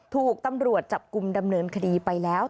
ถูกตำรวจจับกลุ่มดำเนินคดีไปแล้ว